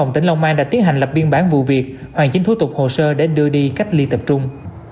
tỉnh long an đã tiến hành lập biên bản vụ việc hoàn chính thủ tục hồ sơ để đưa đi cách ly tập trung